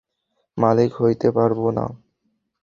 মালিক হইতে পারবা না!